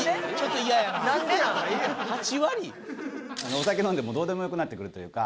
お酒飲んでどうでもよくなってくるというか。